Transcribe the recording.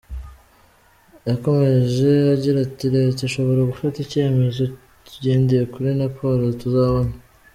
Yakomeje agira ati “Leta ishobora gufata icyemezo tugendeye kuri raporo tuzabona.